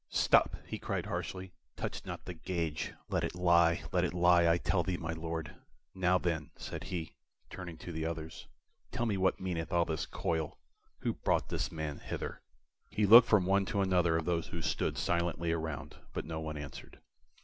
"Stop!" he cried, harshly. "Touch not the gage! Let it lie let it lie, I tell thee, my Lord! Now then," said he, turning to the others, "tell me what meaneth all this coil? Who brought this man hither?" He looked from one to another of those who stood silently around, but no one answered.